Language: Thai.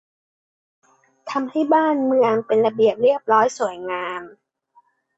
ทำให้บ้านเมืองเป็นระเบียบเรียบร้อย สวยงาม